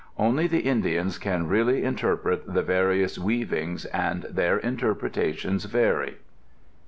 Only the Indians can really interpret the various weavings, and their interpretations vary.